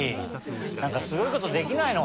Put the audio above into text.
なんかすごいことできないの？